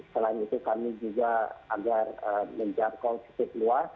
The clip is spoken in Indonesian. selain itu kami juga agar menjadwalkan situs luas